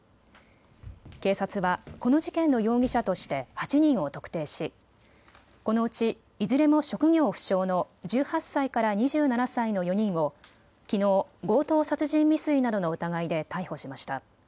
警察はこの事件の容疑者として８人を特定しこのうち、いずれも職業不詳の１８歳から２７歳の４人をきのう強盗殺人未遂などの疑いで逮捕しました。